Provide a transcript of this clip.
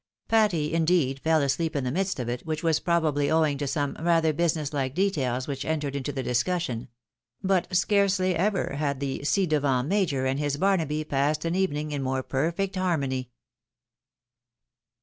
Patty, indeed, fell asleep in the midst of it, which was probably owing to some rather business like details which entered into the discussion ; but scarcely ever had the ci devant major and his Barnaby passed au evening in more perfect harmony.